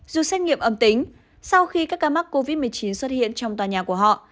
dù xét nghiệm âm tính sau khi các ca mắc covid một mươi chín xuất hiện trong tòa nhà của họ